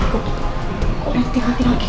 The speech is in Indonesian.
kamu sih juga ikut